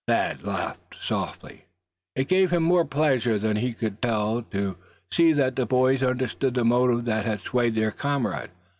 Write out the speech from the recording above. Thad laughed softly. It gave him more pleasure than he could tell to see that the boys understood the motive that had swayed their comrade.